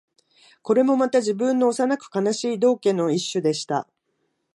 これもまた、自分の幼く悲しい道化の一種でした